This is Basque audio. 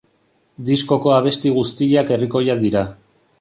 Diskoko abesti guztiak herrikoiak dira.